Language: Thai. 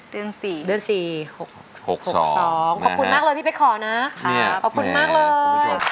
เดือน๔เดือน๔๖๖๒ขอบคุณมากเลยพี่เป๊กขอนะขอบคุณมากเลย